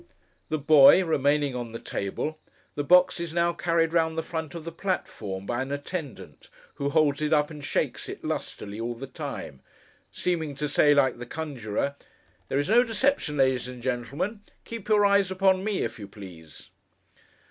The boy remaining on the table, the box is now carried round the front of the platform, by an attendant, who holds it up and shakes it lustily all the time; seeming to say, like the conjurer, 'There is no deception, ladies and gentlemen; keep your eyes upon me, if you please!